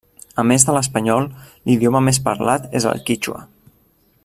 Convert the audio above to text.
A més de l'espanyol, l'idioma més parlat és el quítxua.